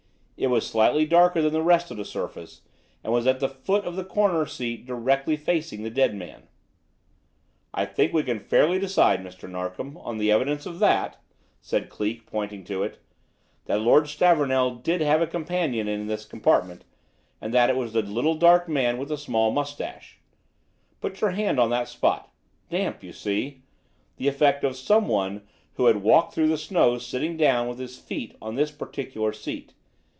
It was slightly darker than the rest of the surface, and was at the foot of the corner seat directly facing the dead man. "I think we can fairly decide, Mr. Narkom, on the evidence of that," said Cleek, pointing to it, "that Lord Stavornell did have a companion in this compartment, and that it was the little dark man with the small moustache. Put your hand on the spot. Damp, you see; the effect of some one who had walked through the snow sitting down with his feet on this particular seat.